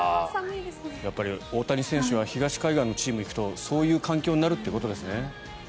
やっぱり大谷選手は東海岸のチームに行くとそういう環境になるということですね。